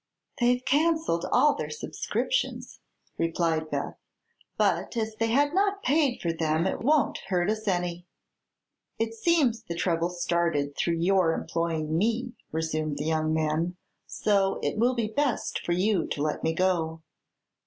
"They've cancelled all their subscriptions," replied Beth; "but as they had not paid for them it won't hurt us any." "It seems the trouble started through your employing me," resumed the young man; "so it will be best for you to let me go."